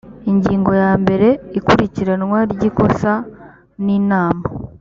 ingingo ya mbere ikurikiranwa ry ikosa n inama